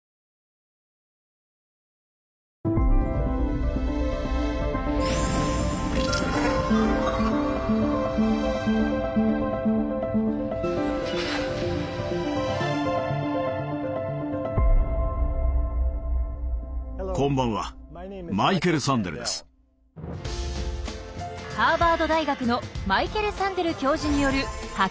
ハーバード大学のマイケル・サンデル教授による「白熱教室」。